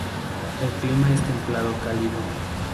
El clima es templado-cálido.